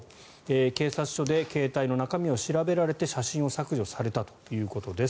警察署で携帯の中身を調べられて写真を削除されたということです。